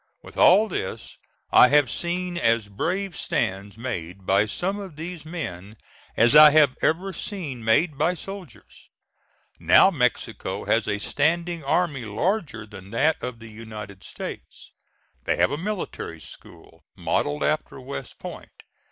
With all this I have seen as brave stands made by some of these men as I have ever seen made by soldiers. Now Mexico has a standing army larger than that of the United States. They have a military school modelled after West Point.